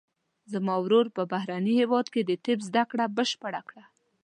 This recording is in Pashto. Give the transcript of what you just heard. زما ورور په بهرني هیواد کې د طب زده کړه بشپړه کړه